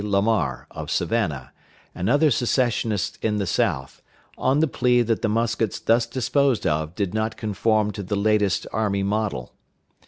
Lamar, of Savannah, and other Secessionists in the South, on the plea that the muskets thus disposed of did not conform to the latest army model.